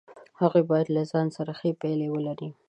هغوی باید له ځان سره ښې پایلې ولري.